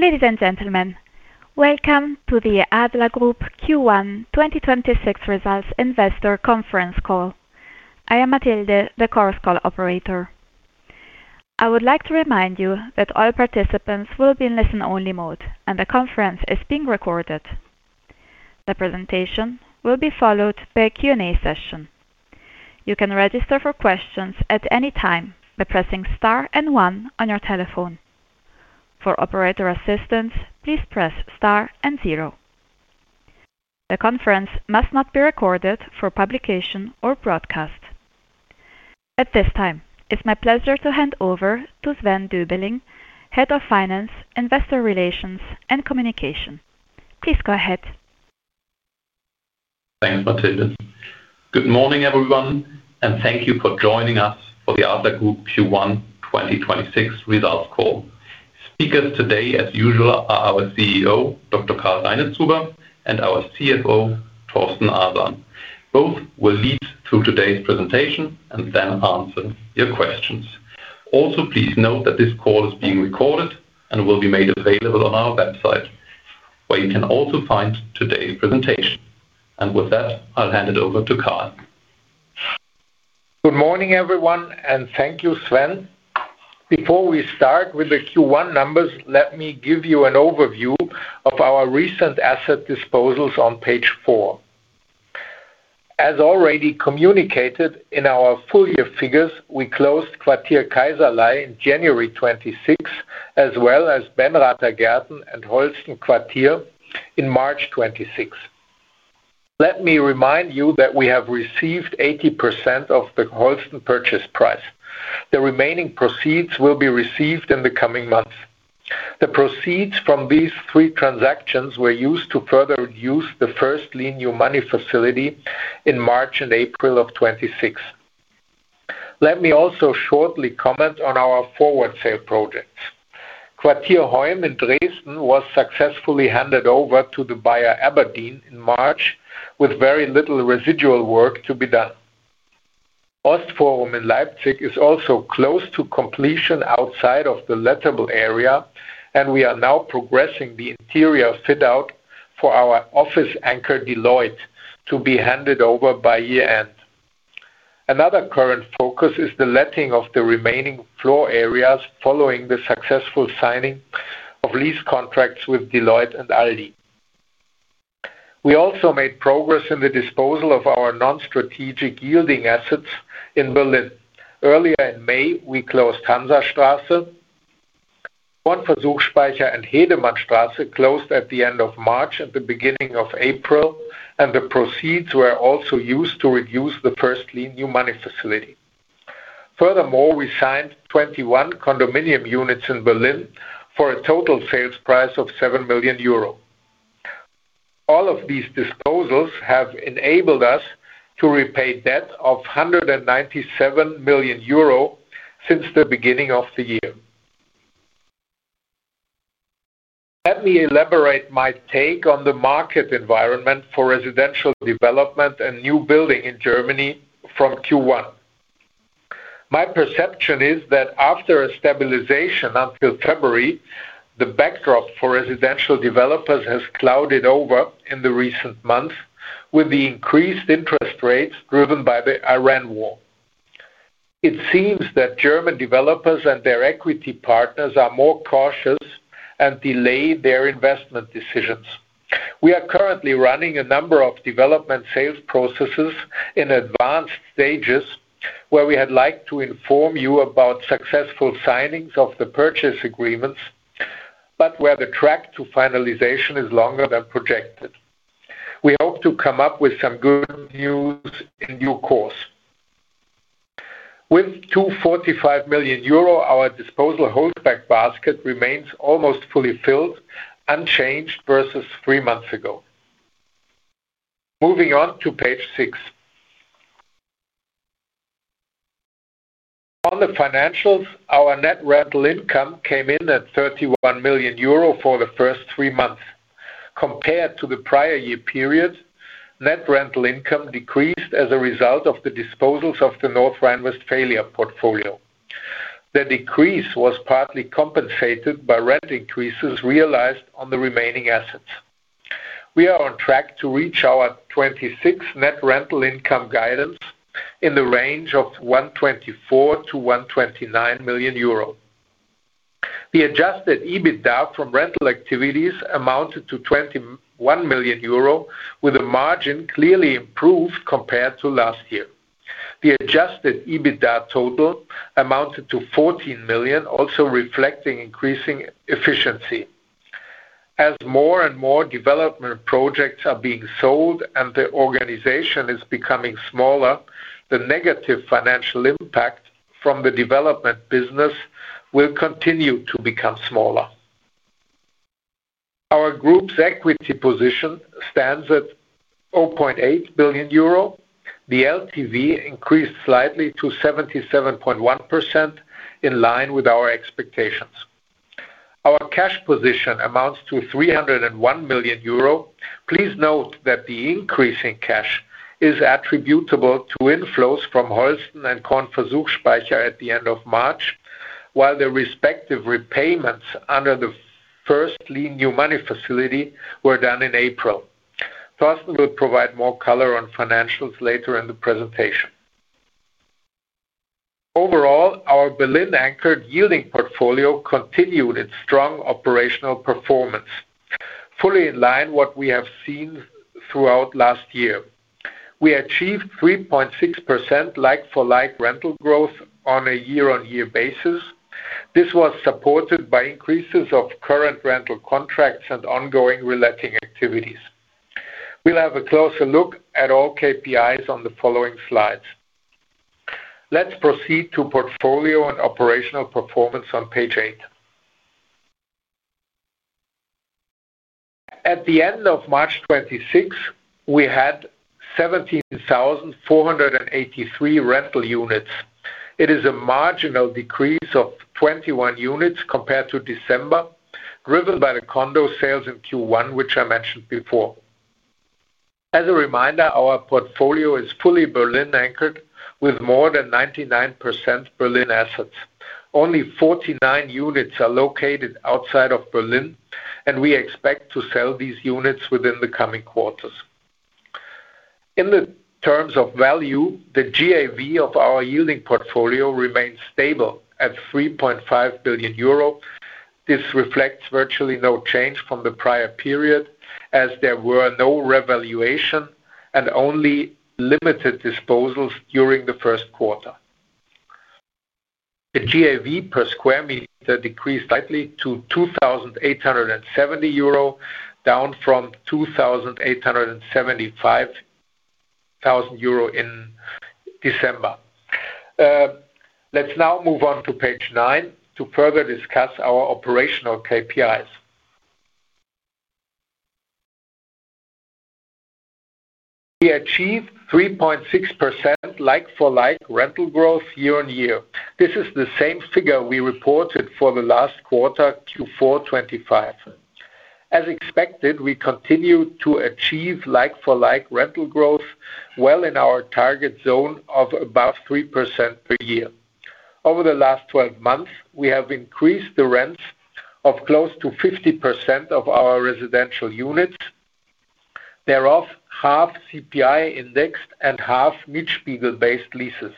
Ladies and gentlemen, welcome to the Adler Group Q1 2026 results investor conference call. I am Matilde, the conference call operator. I would like to remind you that all participants will be in listen-only mode, and the conference is being recorded. The presentation will be followed by a Q&A session. You can register for questions at any time by pressing star and one on your telephone. For operator assistance, please press star and zero. The conference must not be recorded for publication or broadcast. At this time, it's my pleasure to hand over to Sven Doebeling, Head of Finance, Investor Relations and Communication. Please go ahead. Thanks, Matilde. Good morning, everyone, and thank you for joining us for the Adler Group Q1 2026 results call. Speakers today, as usual, are our CEO, Dr. Karl Reinitzhuber, and our CFO, Thorsten Arsan. Both will lead through today's presentation and then answer your questions. Also, please note that this call is being recorded and will be made available on our website, where you can also find today's presentation. With that, I'll hand it over to Karl. Good morning, everyone, thank you, Sven. Before we start with the Q1 numbers, let me give you an overview of our recent asset disposals on page four. As already communicated in our full year figures, we closed Quartier Kaiserlei in January 2026, as well as Benrather Gärten and Holsten Quartier in March 2026. Let me remind you that we have received 80% of the Holsten purchase price. The remaining proceeds will be received in the coming months. The proceeds from these three transactions were used to further reduce the first lien new money facility in March and April of 2026. Let me also shortly comment on our forward sale projects. Quartier Hoym in Dresden was successfully handed over to the buyer abrdn in March with very little residual work to be done. Ostforum in Leipzig is also close to completion outside of the lettable area, and we are now progressing the interior fit-out for our office anchor, Deloitte, to be handed over by year-end. Another current focus is the letting of the remaining floor areas following the successful signing of lease contracts with Deloitte and Aldi. We also made progress in the disposal of our non-strategic yielding assets in Berlin. Earlier in May, we closed Hansastraße. Kornversuchsspeicher and Hedemannstraße closed at the end of March and the beginning of April, and the proceeds were also used to reduce the first lien new money facility. Furthermore, we signed 21 condominium units in Berlin for a total sales price of 7 million euro. All of these disposals have enabled us to repay debt of 197 million euro since the beginning of the year. Let me elaborate my take on the market environment for residential development and new building in Germany from Q1. My perception is that after a stabilization until February, the backdrop for residential developers has clouded over in the recent months with the increased interest rates driven by the Iran war. It seems that German developers and their equity partners are more cautious and delay their investment decisions. We are currently running a number of development sales processes in advanced stages where we had liked to inform you about successful signings of the purchase agreements, but where the track to finalization is longer than projected. We hope to come up with some good news in due course. With 245 million euro, our disposal holdback basket remains almost fully filled, unchanged versus three months ago. Moving on to page six. On the financials, our net rental income came in at 31 million euro for the first three months. Compared to the prior year period, net rental income decreased as a result of the disposals of the North Rhine-Westphalia portfolio. The decrease was partly compensated by rent increases realized on the remaining assets. We are on track to reach our 2026 net rental income guidance in the range of 124 million-129 million euro. The adjusted EBITDA from rental activities amounted to 21 million euro, with the margin clearly improved compared to last year. The adjusted EBITDA total amounted to 14 million, also reflecting increasing efficiency. As more and more development projects are being sold and the organization is becoming smaller, the negative financial impact from the development business will continue to become smaller. Our group's equity position stands at 0.8 billion euro. The LTV increased slightly to 77.1%, in line with our expectations. Our cash position amounts to 301 million euro. Please note that the increase in cash is attributable to inflows from Holsten and Kornversuchsspeicher at the end of March, while the respective repayments under the first lien new money facility were done in April. Thorsten will provide more color on financials later in the presentation. Overall, our Berlin anchored yielding portfolio continued its strong operational performance, fully in line what we have seen throughout last year. We achieved 3.6% like-for-like rental growth on a year-on-year basis. This was supported by increases of current rental contracts and ongoing reletting activities. We'll have a closer look at all KPIs on the following slides. Let's proceed to portfolio and operational performance on page eight. At the end of March 2026, we had 17,483 rental units. It is a marginal decrease of 21 units compared to December, driven by the condo sales in Q1, which I mentioned before. As a reminder, our portfolio is fully Berlin anchored with more than 99% Berlin assets. Only 49 units are located outside of Berlin, and we expect to sell these units within the coming quarters. In the terms of value, the GAV of our yielding portfolio remains stable at 3.5 billion euro. This reflects virtually no change from the prior period, as there were no revaluation and only limited disposals during the first quarter. The GAV per square meter decreased slightly to 2,870 euro, down from 2,875 euro in December. Let's now move on to page nine to further discuss our operational KPIs. We achieved 3.6% like-for-like rental growth year-on-year. This is the same figure we reported for the last quarter, Q4 2025. As expected, we continued to achieve like-for-like rental growth well in our target zone of above 3% per year. Over the last 12 months, we have increased the rents of close to 50% of our residential units. Thereof, half CPI indexed and half Mietspiegel based leases.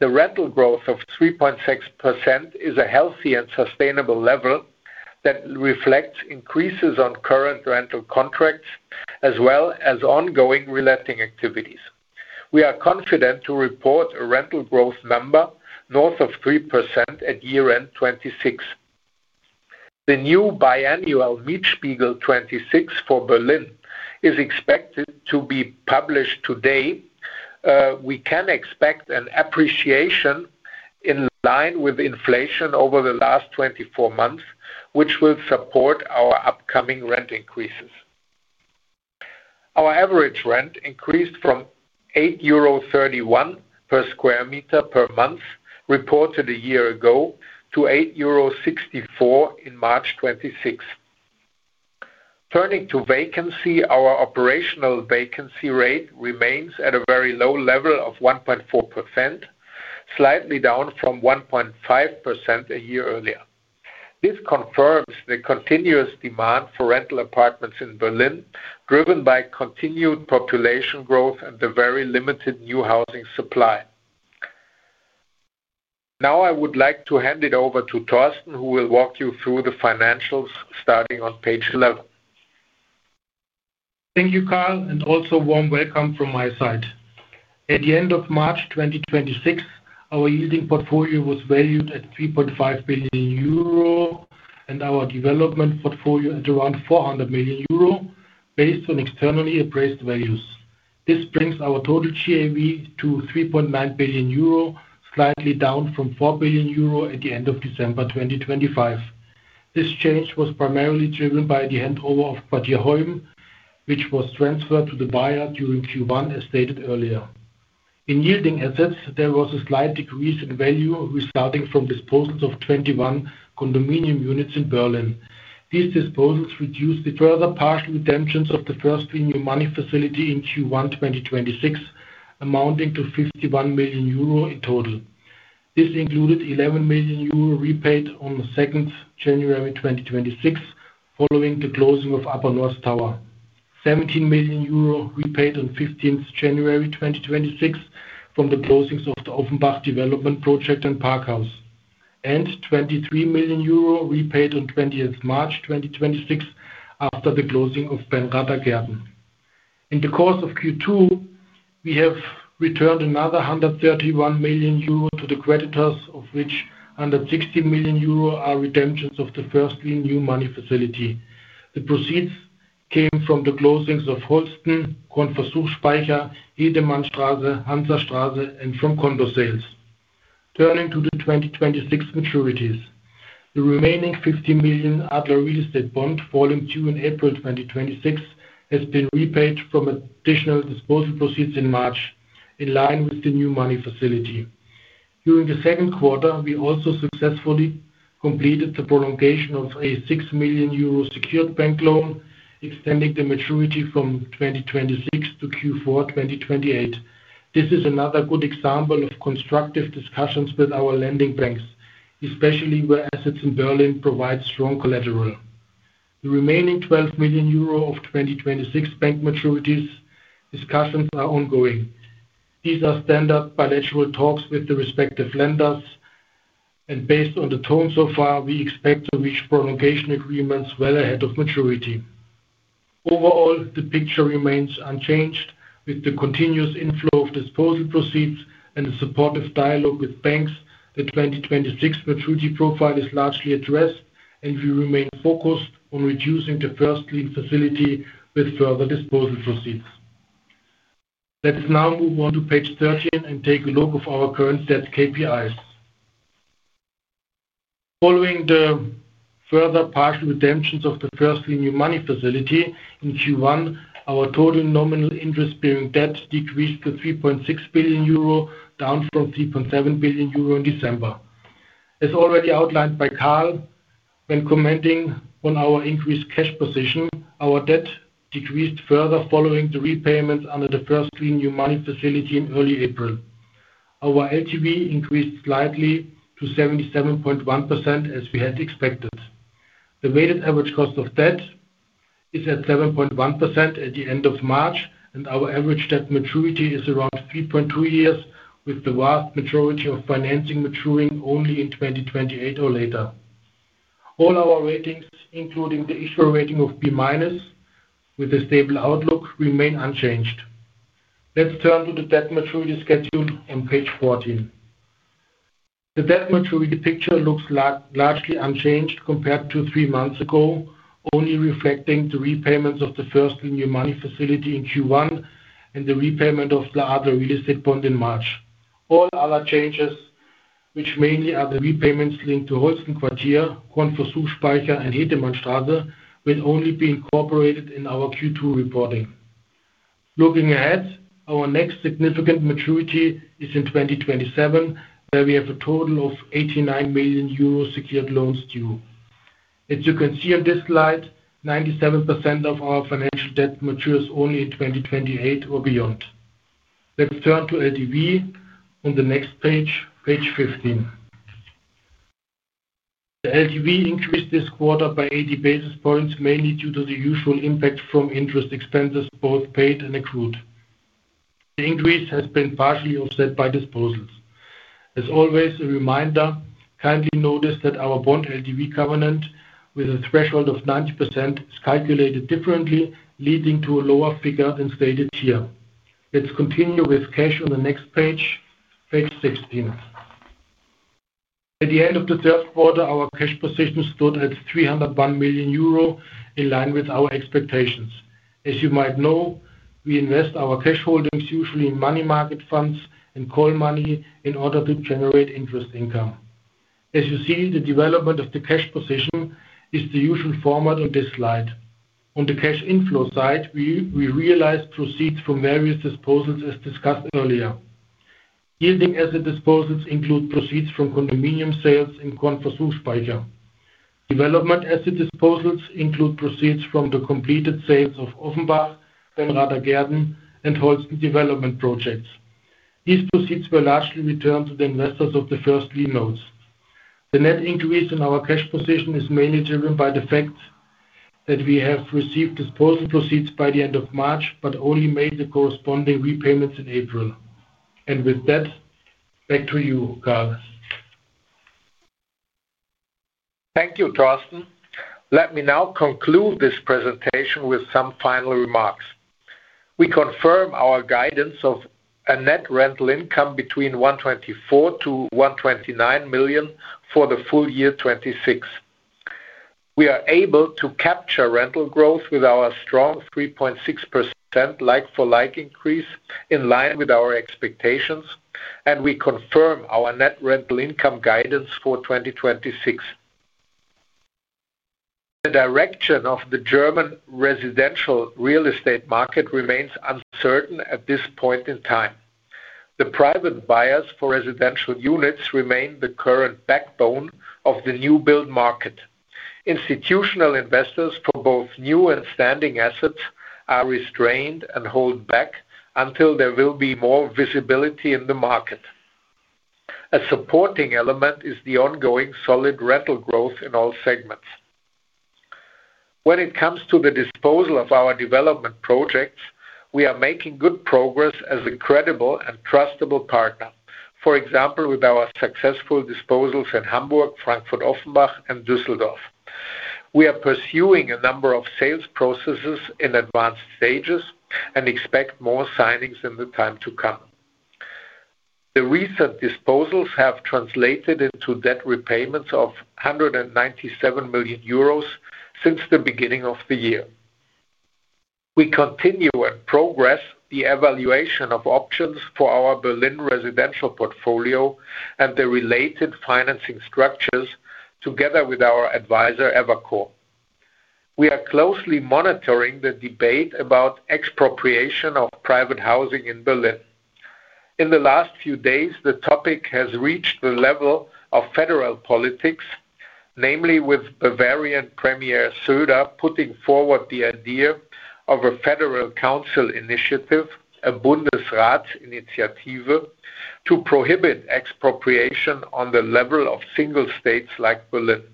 The rental growth of 3.6% is a healthy and sustainable level that reflects increases on current rental contracts as well as ongoing reletting activities. We are confident to report a rental growth number north of 3% at year-end 2026. The new biannual Mietspiegel 2026 for Berlin is expected to be published today. We can expect an appreciation in line with inflation over the last 24 months, which will support our upcoming rent increases. Our average rent increased from 8.31 euro/sq m per month reported a year ago to 8.64 euro in March 2026. Turning to vacancy, our operational vacancy rate remains at a very low level of 1.4%, slightly down from 1.5% a year earlier. This confirms the continuous demand for rental apartments in Berlin, driven by continued population growth and the very limited new housing supply. Now I would like to hand it over to Thorsten, who will walk you through the financials starting on page 11. Thank you, Karl, also warm welcome from my side. At the end of March 2026, our yielding portfolio was valued at 3.5 billion euro and our development portfolio at around 400 million euro, based on externally appraised values. This brings our total GAV to 3.9 billion euro, slightly down from 4 billion euro at the end of December 2025. This change was primarily driven by the handover of [Quartier Hoym], which was transferred to the buyer during Q1, as stated earlier. In yielding assets, there was a slight decrease in value resulting from disposals of 21 condominium units in Berlin. These disposals reduced the further partial redemptions of the first lien new money facility in Q1 2026, amounting to 51 million euro in total. This included 11 million euro repaid on January 2nd, 2026, following the closing of Upper North Tower. 17 million euro repaid on January 15th, 2026 from the closings of the Offenbach development project and Parkhaus. 23 million euro repaid on March 20th, 2026 after the closing of Benrather Gärten. In the course of Q2, we have returned another 131 million euro to the creditors, of which 160 million euro are redemptions of the first lien new money facility. The proceeds came from the closings of Holsten, Kornversuchsspeicher, Hedemannstraße, Hansastraße and from condo sales. Turning to the 2026 maturities. The remaining 50 million Adler Real Estate bond falling due in April 2026 has been repaid from additional disposal proceeds in March. In line with the new money facility. During the second quarter, we also successfully completed the prolongation of a 6 million euro secured bank loan, extending the maturity from 2026 to Q4 2028. This is another good example of constructive discussions with our lending banks, especially where assets in Berlin provide strong collateral. The remaining 12 million euro of 2026 bank maturities discussions are ongoing. These are standard bilateral talks with the respective lenders, and based on the tone so far, we expect to reach prolongation agreements well ahead of maturity. Overall, the picture remains unchanged. With the continuous inflow of disposal proceeds and the supportive dialogue with banks, the 2026 maturity profile is largely addressed, and we remain focused on reducing the first lien facility with further disposal proceeds. Let us now move on to page 13 and take a look of our current debt KPIs. Following the further partial redemptions of the first lien money facility in Q1, our total nominal interest-bearing debt decreased to 3.6 billion euro, down from 3.7 billion euro in December. As already outlined by Karl when commenting on our increased cash position, our debt decreased further following the repayments under the first lien new money facility in early April. Our LTV increased slightly to 77.1% as we had expected. The weighted average cost of debt is at 7.1% at the end of March, and our average debt maturity is around three point two years, with the vast majority of financing maturing only in 2028 or later. All our ratings, including the issuer rating of B- with a stable outlook, remain unchanged. Let's turn to the debt maturity schedule on page 14. The debt maturity picture looks largely unchanged compared to three months ago, only reflecting the repayments of the first lien new money facility in Q1 and the repayment of the Adler Real Estate bond in March. All other changes, which mainly are the repayments linked to Holsten Quartier, Südspeicher and Hedemannstrasse, will only be incorporated in our Q2 reporting. Looking ahead, our next significant maturity is in 2027, where we have a total of 89 million euros secured loans due. As you can see on this slide, 97% of our financial debt matures only in 2028 or beyond. Let's turn to LTV on the next page 15. The LTV increased this quarter by 80 basis points, mainly due to the usual impact from interest expenses, both paid and accrued. The increase has been partially offset by disposals. As always, a reminder, kindly notice that our bond LTV covenant with a threshold of 90% is calculated differently, leading to a lower figure than stated here. Let's continue with cash on the next page 16. At the end of the first quarter, our cash position stood at 301 million euro, in line with our expectations. As you might know, we invest our cash holdings usually in money market funds and call money in order to generate interest income. As you see, the development of the cash position is the usual format on this slide. On the cash inflow side, we realized proceeds from various disposals as discussed earlier. Yielding asset disposals include proceeds from condominium sales in Südspeicher. Development asset disposals include proceeds from the completed sales of Offenbach, Benrather Gärten, and Holsten development projects. These proceeds were largely returned to the investors of the first lien notes. The net increase in our cash position is mainly driven by the fact that we have received disposal proceeds by the end of March, but only made the corresponding repayments in April. With that, back to you, Karl. Thank you, Thorsten. Let me now conclude this presentation with some final remarks. We confirm our guidance of a net rental income between 124 million-129 million for the full year 2026. We are able to capture rental growth with our strong 3.6% like-for-like increase in line with our expectations, and we confirm our net rental income guidance for 2026. The direction of the German residential real estate market remains uncertain at this point in time. The private buyers for residential units remain the current backbone of the new build market. Institutional investors for both new and standing assets are restrained and hold back until there will be more visibility in the market. A supporting element is the ongoing solid rental growth in all segments. When it comes to the disposal of our development projects, we are making good progress as a credible and trustable partner. For example, with our successful disposals in Hamburg, Frankfurt, Offenbach and Düsseldorf. We are pursuing a number of sales processes in advanced stages and expect more signings in the time to come. The recent disposals have translated into debt repayments of 197 million euros since the beginning of the year. We continue and progress the evaluation of options for our Berlin residential portfolio and the related financing structures together with our advisor, Evercore. We are closely monitoring the debate about expropriation of private housing in Berlin. In the last few days, the topic has reached the level of federal politics, namely with Bavarian Premier Söder putting forward the idea of a federal council initiative, a Bundesrat initiative, to prohibit expropriation on the level of single states like Berlin.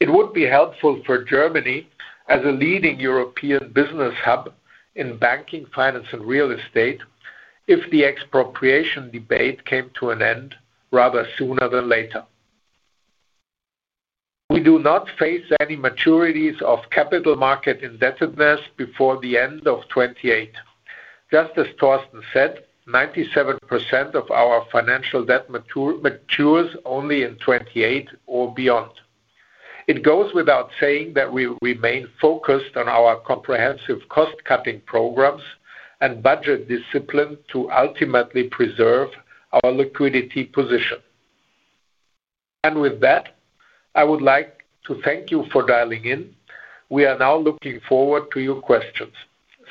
It would be helpful for Germany as a leading European business hub in banking, finance, and real estate if the expropriation debate came to an end rather sooner than later. We do not face any maturities of capital market indebtedness before the end of 2028. Just as Thorsten said, 97% of our financial debt matures only in 2028 or beyond. It goes without saying that we remain focused on our comprehensive cost-cutting programs and budget discipline to ultimately preserve our liquidity position. With that, I would like to thank you for dialing in. We are now looking forward to your questions.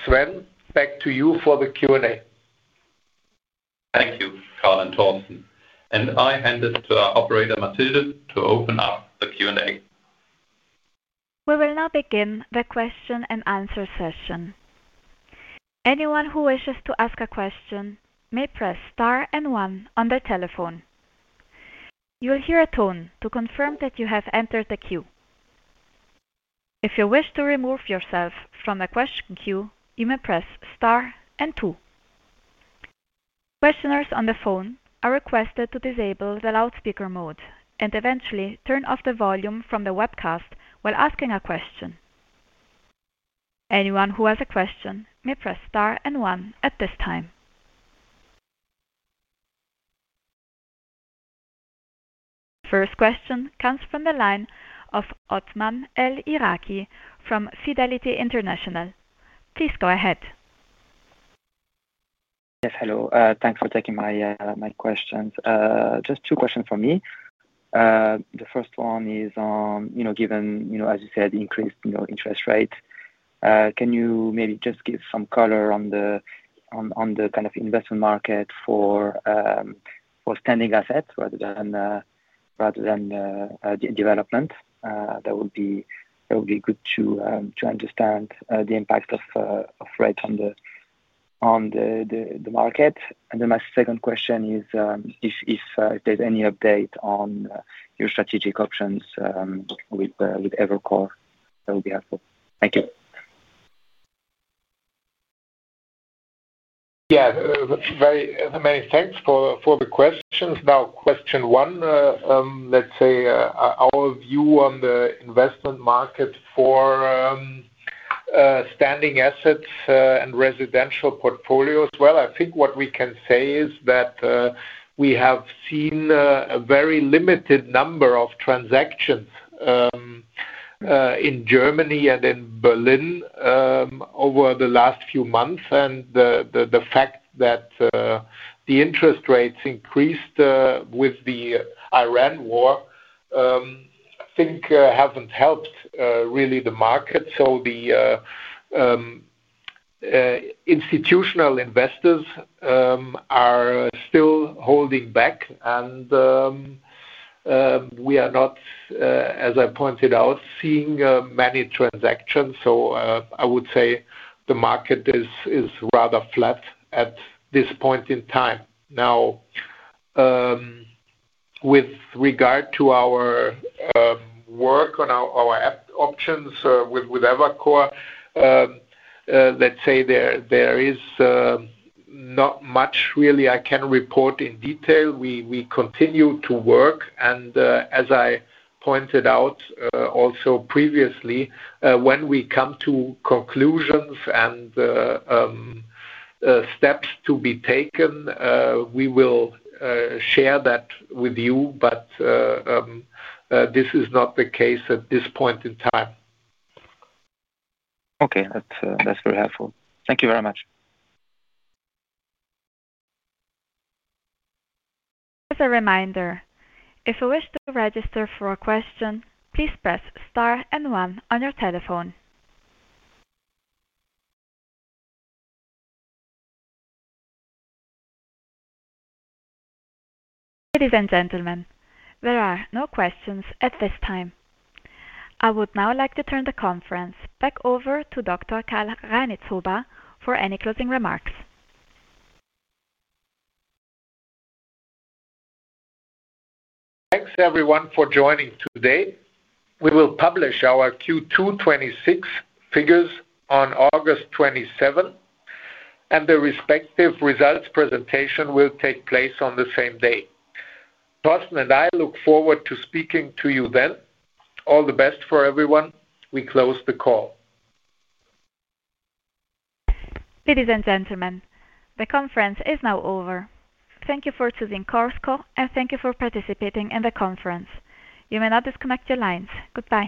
Sven, back to you for the Q&A. Thank you, Karl and Thorsten. I hand it to our operator, Matilda, to open up the Q&A. We will now begin the question-and-answer session. Anyone who wishes to ask a question may press star and one on their telephone. You will hear a tone to confirm that you have entered the queue. If you wish to remove yourself from the question queue, you may press star and two. Questioners on the phone are requested to disable the loudspeaker mode and eventually turn off the volume from the webcast while asking a question. Anyone who has a question may press star and one at this time. First question comes from the line of Othman El Iraki from Fidelity International. Please go ahead. Yes, hello. Thanks for taking my questions. Just two questions from me. The first one is given, as you said, increased interest rate, can you maybe just give some color on the investment market for standing assets rather than development? That would be good to understand the impact of rate on the market. Then my second question is if there's any update on your strategic options with Evercore, that would be helpful. Thank you. Many thanks for the questions. Question one, let's say our view on the investment market for standing assets and residential portfolios. Well, I think what we can say is that we have seen a very limited number of transactions in Germany and in Berlin over the last few months. The fact that the interest rates increased with the Iran war, I think haven't helped really the market. The institutional investors are still holding back and we are not, as I pointed out, seeing many transactions. I would say the market is rather flat at this point in time. With regard to our work on our options with Evercore, let's say there is not much really I can report in detail. We continue to work, and as I pointed out also previously, when we come to conclusions and steps to be taken, we will share that with you. This is not the case at this point in time. Okay. That's very helpful. Thank you very much. As a reminder, if you wish to register for a question, please press star one on your telephone. Ladies and gentlemen, there are no questions at this time. I would now like to turn the conference back over to Dr. Karl Reinitzhuber for any closing remarks. Thanks everyone for joining today. We will publish our Q2 2026 figures on August 27, and the respective results presentation will take place on the same day. Thorsten and I look forward to speaking to you then. All the best for everyone. We close the call. Ladies and gentlemen, the conference is now over. Thank you for choosing Chorus Call, and thank you for participating in the conference. You may now disconnect your lines. Goodbye.